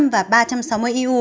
sáu trăm linh và ba trăm sáu mươi eu